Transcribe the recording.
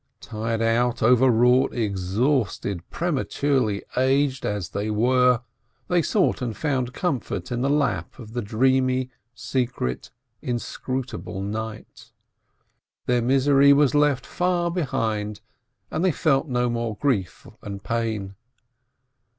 Tired out, overwrought, exhausted, prematurely aged as they were, they sought and found comfort in the lap of the dreamy, secret, inscrutable night. Their misery was left far behind, and they felt no more grief and pain.